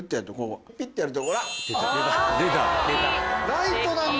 ライトなんだ！